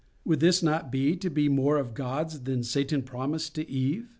Would not this be to be more of gods than Satan promised to Eve?